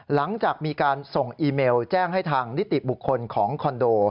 หลังจากมีการส่งอีเมลแจ้งให้ทางนิติบุคคลของคอนโด